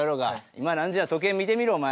今何時や時計見てみろお前。